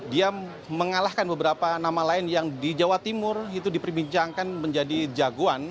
dia mengalahkan beberapa nama lain yang di jawa timur itu diperbincangkan menjadi jagoan